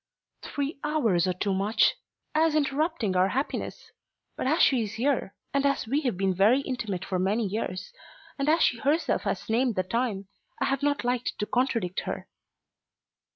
"Three hours are too much, as interrupting our happiness. But as she is here, and as we have been very intimate for many years, and as she herself has named the time, I have not liked to contradict her."